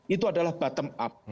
itu adalah bottom up